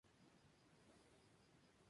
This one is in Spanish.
Luego de algunos días se une a una patrulla.